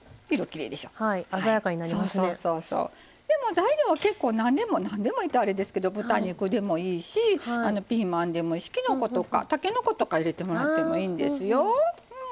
材料は結構なんでもなんでもいいってあれですけど豚肉でもいいしピーマンでもいいしきのことかたけのことか入れてもらってもいいんですよ。